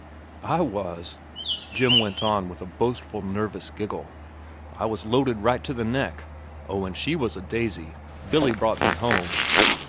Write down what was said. "I was," Jim went on with a boastful, nervous giggle. "I was loaded right to the neck. Oh, she was a daisy. Billy brought me home."